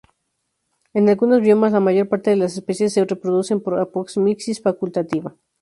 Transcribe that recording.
En algunos biomas, la mayor parte de las especies se reproducen por apomixis facultativa.